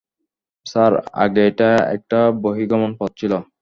Sir, আগে এটা একটা বহির্গমন পথ ছিল।